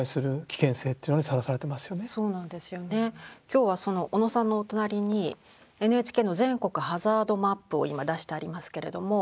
今日はその小野さんのお隣にＮＨＫの全国ハザードマップを今出してありますけれども。